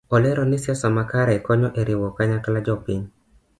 Olero ni siasa makare konyo e riwo kanyakla jopiny